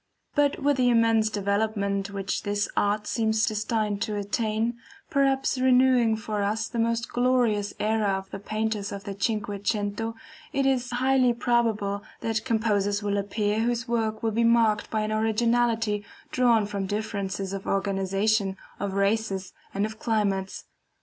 But with the immense development which this art seems destined to attain, perhaps renewing for us the glorious era of the Painters of the CINQUE CENTO, it is highly probable that composers will appear whose works will be marked by an originality drawn from differences of organization, of races, and of climates.